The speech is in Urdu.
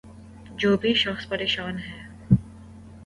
جو بھی شخص پریشان ہے